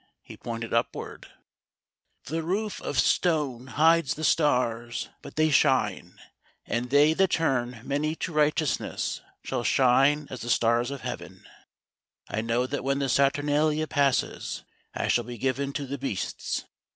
He pointed upward :" The roof of stone hides the stars, but they shine ; and they that turn many to righteousness shall shine as the stars of heaven. I know that when the Saturnalia passes, I shall be given to the beasts.